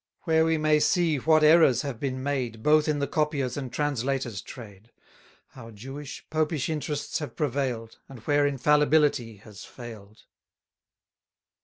Where we may see what errors have been made Both in the copiers' and translators' trade; How Jewish, Popish interests have prevail'd, 250 And where infallibility has fail'd.